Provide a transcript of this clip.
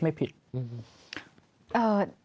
ไม่ผิด